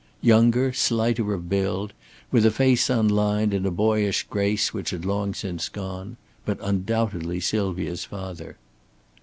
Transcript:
Younger, slighter of build, with a face unlined and a boyish grace which had long since gone but undoubtedly Sylvia's father.